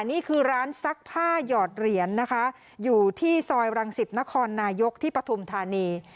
นี่คือร้านซักผ้าหยอดเหรียญนะคะอยู่ที่ซอยรังสิตนครนายกที่ปฐุมธานี